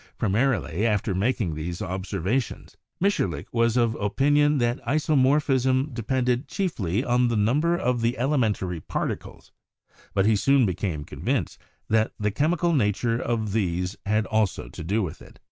Primarily, after making those observations, Mitscherlich was of opin ion that isomorphism depended chiefly on the number of the elementary particles, but he soon became convinced that the chemical nature of these had also to do with it.